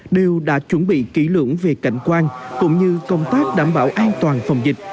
đều đã chuẩn bị kỹ lưỡng về cảnh quan cũng như công tác đảm bảo an toàn phòng dịch